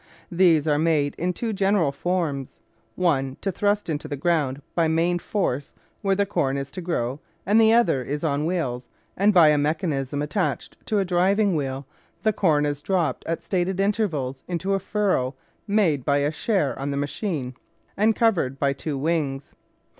These are made in two general forms : one to thrust into the ground by main force where the corn is to grow and the other is on wheels, and by a mechanism attached to a driving wheel the corn is dropped at stated intervals into a furrow made by a share on the machine and cov ered by two wings.